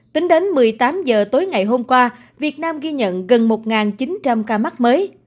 tính đến một mươi tám h tối ngày hôm qua việt nam ghi nhận gần một chín trăm linh ca mắc mới